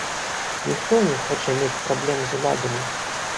Ніхто не хоча мець праблем з уладамі.